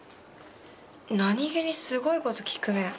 何気にすごいこと聞くね。